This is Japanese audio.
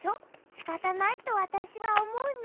しかたないとわたしはおもうな。